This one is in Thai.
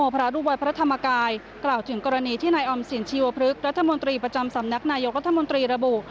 พระอำสินชีวพฤกษ์รัฐมนตรีประจำสำนักนายกรัฐมนตรีระบุ